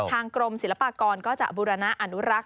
ทางกรมศิลปากรก็จะบูรณะอนุรักษ์